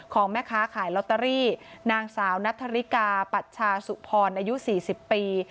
ของแม่ค้าขายลอตเตอรี่นางสาวนัทธริกาปัชชาสุพรอายุ๔๐ปี